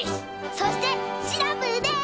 そしてシナプーです！